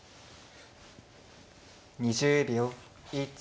２０秒。